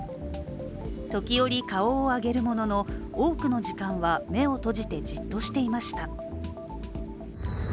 時折、顔を上げるものの多くの時間は目を閉じてじっとしていました。